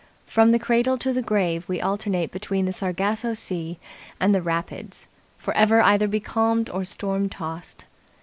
From the cradle to the grave we alternate between the Sargasso Sea and the rapids forever either becalmed or storm tossed.